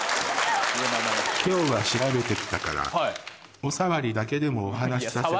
今日は調べてきたからおさわりだけでもお話させて。